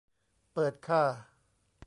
เปิดค่ะ